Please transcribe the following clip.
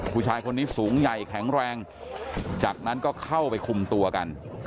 ผู้ชายคนนี้สูงใหญ่แข็งแรงจากนั้นก็เข้าไปคุมตัวกัน